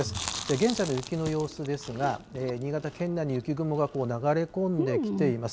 現在の雪の様子ですが、新潟県内に雪雲が流れ込んできています。